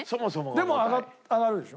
でも上がるでしょ？